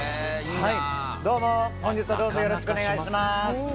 どうも、本日はどうぞよろしくお願いいたします。